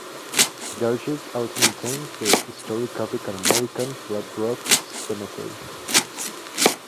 The Archives also maintains the Historic African American Flat Rock Cemetery.